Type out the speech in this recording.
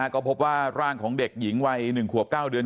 ก็พบว่าร่างของเด็กหญิงวัย๑ขวบ๙เดือน